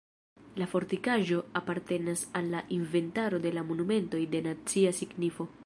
La fortikaĵo apartenas al la inventaro de la monumentoj de nacia signifo.